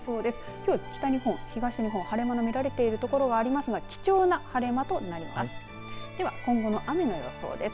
きょう北日本、東日本晴れ間が見られている所はありますが貴重な晴れ間となります。